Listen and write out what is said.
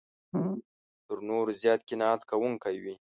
تر نورو زیات قناعت کوونکی وي.